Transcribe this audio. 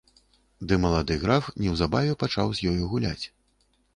Ды малады граф неўзабаве пачаў з ёю гуляць.